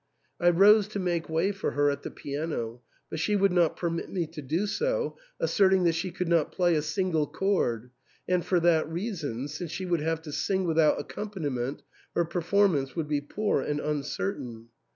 I rose to make way for her at the piano, but she would not permit me to do so, asserting that she could not play a single chord, and for that reason, since she would have to sing without accompaniment, her performance would be poor and uncertain.